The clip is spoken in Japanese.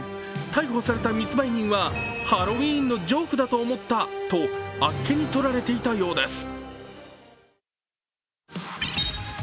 逮捕された密売人はハロウィーンのジョークだと思ったと、あっけにとられていたようです。